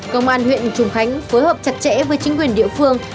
công an huyện trùng khánh phối hợp chặt chẽ với chính quyền địa phương